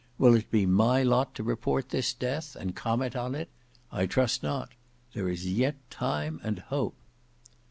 Will it be my lot to report this death and comment on it? I trust not. There is yet time and hope."